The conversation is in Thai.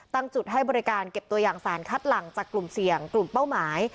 ตั้งจุดให้บริการเก็บตัวอย่างสารคัดหลังจากกลุ่มเสี่ยงกลุ่มเป้าหมาย